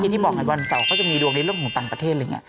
ที่บอกวันเสาร์ก็จะมีดวงในเรื่องของต่างประเทศ